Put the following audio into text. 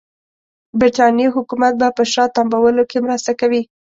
برټانیې حکومت به په شا تمبولو کې مرسته کوي.